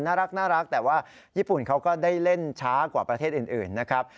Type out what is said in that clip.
น่ารักแต่ว่าญี่ปุ่นเขาก็ได้เล่นช้ากว่าประเทศอื่นนะครับ